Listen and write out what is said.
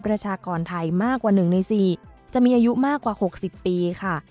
ประชากรไทยมากกว่า๑ใน๔จะมีอายุมากกว่า๖๐ปีค่ะ